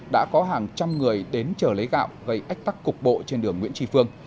đã có hàng trăm người đến chờ lấy gạo gây ách tắc cục bộ trên đường nguyễn trì phương